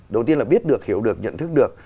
đầu tiên là biết được hiểu được nhận thức được